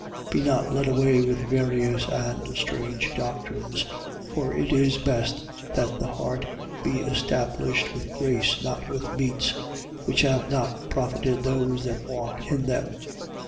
13:9. Be not led away with various and strange doctrines. For it is best that the heart be established with grace, not with meats: which have not profited those that walk in them.